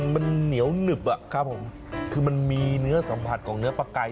มันเหนียวหนึบอะครับผมคือมันมีเนื้อสัมผัสของเนื้อปลาไก่